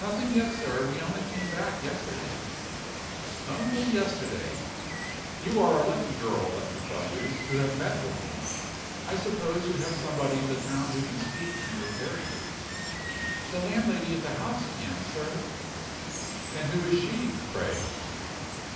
"Nothing yet, sir. We only came back yesterday." "Only yesterday! You are a lucky girl, let me tell you, to have met with me. I suppose you have somebody in the town who can speak to your character?" "The landlady of this house can, sir." "And who is she, pray?"